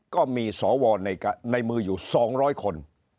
ก็มีสวในมืออยู่๒๐๐คน